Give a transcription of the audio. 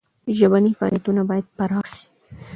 ژبني فعالیتونه باید پراخ سي.